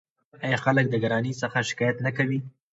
آیا خلک د ګرانۍ څخه شکایت نه کوي؟